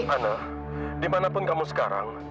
ana dimanapun kamu sekarang